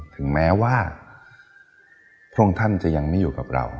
ถึงแม้ว่าพระองค์ท่านจะยังไม่อยู่กับเรา